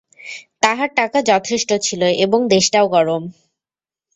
তাঁহার টাকা যথেষ্ট ছিল, এবং দেশটাও গরম।